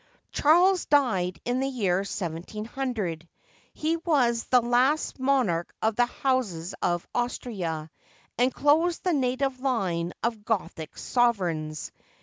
Charles died in the year 1700. He was the last mon arch of the house of Austria, and closed the native line of Gothic sovereigns.